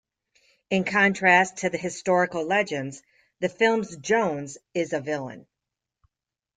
In contrast to the historical legends, the film's Jones is a villain.